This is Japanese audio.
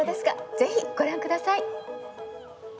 ぜひ、ご覧ください。